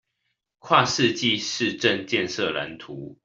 跨世紀市政建設藍圖